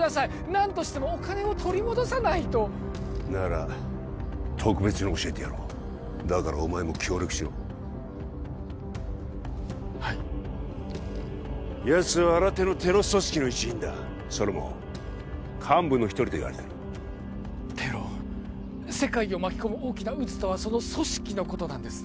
何としてもお金を取り戻さないとなら特別に教えてやろうだからお前も協力しろはいやつは新手のテロ組織の一員だそれも幹部の一人といわれてるテロ世界を巻き込む大きな渦とはその組織のことなんですね？